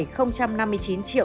ước đạt một năm mươi chín triệu